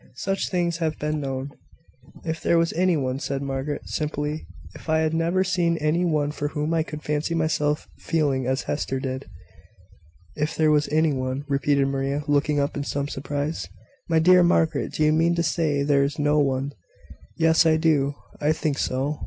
Such things have been known." "If there was any one " said Margaret, simply "if I had ever seen any one for whom I could fancy myself feeling as Hester did " "If there was any one!" repeated Maria, looking up in some surprise. "My dear Margaret, do you mean to say there is no one?" "Yes, I do; I think so.